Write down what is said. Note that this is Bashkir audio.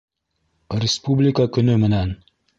Республика көнө менән!